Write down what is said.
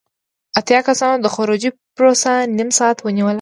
اتیا کسانو د خروجی پروسه نیم ساعت ونیوله.